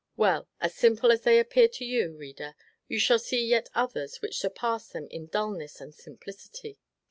Well, as simple as they seem to you, reader, you shall yet see others which surpass them in dullness and simplicity.